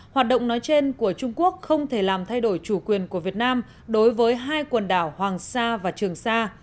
hoạt động nói trên của trung quốc không thể làm thay đổi chủ quyền của việt nam đối với hai quần đảo hoàng sa và trường sa